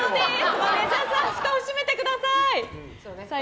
マネジャーさんふたを閉めてください。